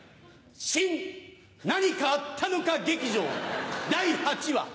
新何かあったのか劇場第８話。